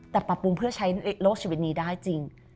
แต่ปรับปรุงเพื่อใช้โลกชีวิตนี้ได้จริง